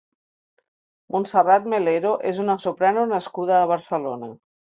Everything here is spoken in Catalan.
Montserrat Melero és una soprano nascuda a Barcelona.